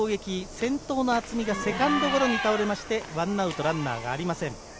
先頭の渥美がセカンドゴロに倒れて１アウトランナーがありません。